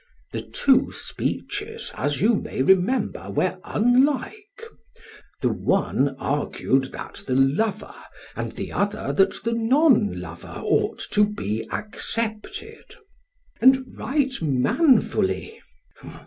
SOCRATES: The two speeches, as you may remember, were unlike; the one argued that the lover and the other that the non lover ought to be accepted. PHAEDRUS: And right manfully.